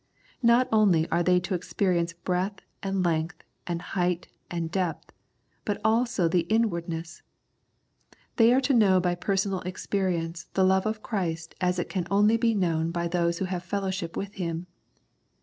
Not only are they to experience breadth and length and height and depth but also the inward ness ; they are to know by personal experience the love of Christ as it can only be known by those who have fellowship with Him.